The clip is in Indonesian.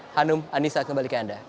hanum anissa kembali ke anda